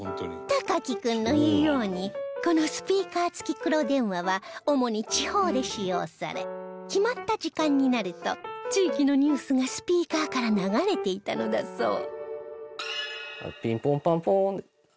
隆貴君の言うようにこのスピーカー付き黒電話は主に地方で使用され決まった時間になると地域のニュースがスピーカーから流れていたのだそう